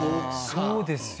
そうですよ。